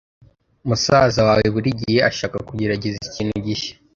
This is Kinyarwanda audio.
Musaza wawe buri gihe ashaka kugerageza ikintu gishya.